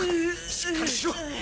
しっかりしろ！